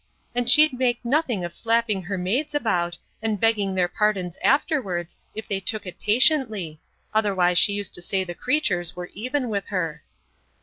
And she'd make nothing of slapping her maids about, and begging their pardons afterwards, if they took it patiently; otherwise she used to say the creatures were even with her.